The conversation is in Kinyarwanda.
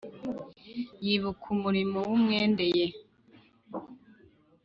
yibuka umurimo w' umwendeye